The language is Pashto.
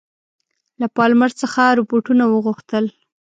له پالمر څخه رپوټونه وغوښتل.